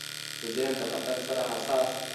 ذهن د خطر سره حساس دی.